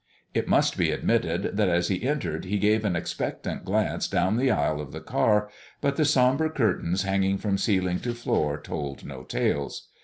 It must be admitted that as he entered he gave an expectant glance down the aisle of the car; but the somber curtains hanging from ceiling to floor told no tales.